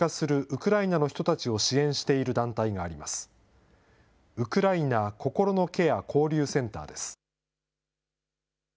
ウクライナ心のケア交流センターです。